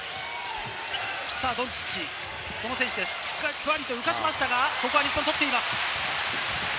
ドンチッチ、ふわりと浮かしましたが、ここは日本取っています。